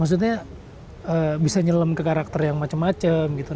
maksudnya bisa nyelem ke karakter yang macem macem gitu